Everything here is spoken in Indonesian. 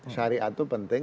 syariat itu penting